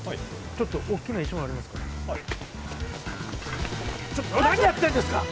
ちょっと大きな石もありますからちょっと何やってんですか！？